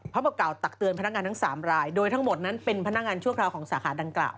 บอกกล่าวตักเตือนพนักงานทั้ง๓รายโดยทั้งหมดนั้นเป็นพนักงานชั่วคราวของสาขาดังกล่าว